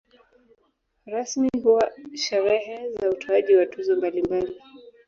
Rasmi huwa sherehe za utoaji wa tuzo mbalimbali.